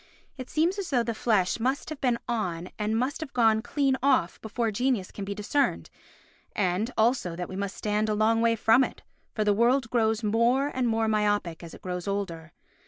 It seems as though the flesh must have been on and must have gone clean off before genius can be discerned, and also that we must stand a long way from it, for the world grows more and more myopic as it grows older.